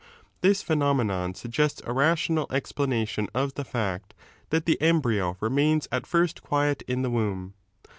This phenomenon suggests a rational explanation of the fact that the 16 embryo remains at first quiet in the womb.